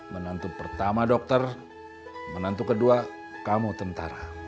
menantu pertama dokter menantu kedua kamu tentara